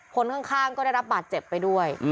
คนข้างก็ได้รับบาดเจ็บไปด้วย